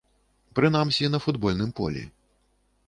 Прынамсі на футбольным полі.